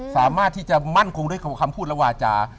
สามารถที่จะมั่นคงด้วยคำพูดและวาจา